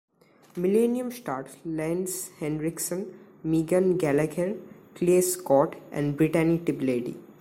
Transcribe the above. "Millennium" starred Lance Henriksen, Megan Gallagher, Klea Scott, and Brittany Tiplady.